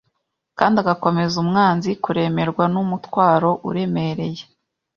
Kandi agakomeza umwanzi kuremerwa n'umutwaro uremereye